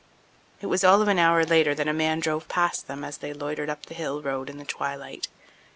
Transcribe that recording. It was all of an hour later that a man drove past them as they loitered up the hill road in the twilight.